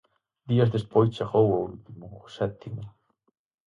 Días despois chegou o último, o sétimo.